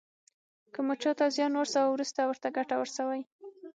که مو چاته زیان ورساوه وروسته ورته ګټه ورسوئ.